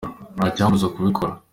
ntacyambuza kubikora.